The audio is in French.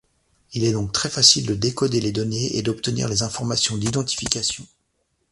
Il est donc très facile de décoder les données et d'obtenir les informations d'identification.